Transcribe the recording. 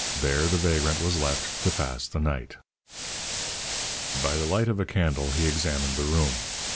There the vagrant was left to pass the night. By the light of a candle he examined the room.